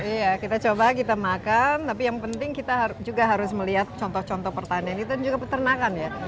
iya kita coba kita makan tapi yang penting kita juga harus melihat contoh contoh pertanian itu dan juga peternakan ya